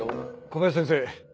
小林先生